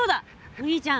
お兄ちゃん。